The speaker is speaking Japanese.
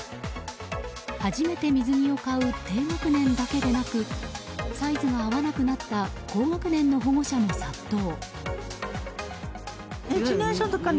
初めて水着を買う低学年だけでなくサイズが合わなくなった高学年の保護者も殺到。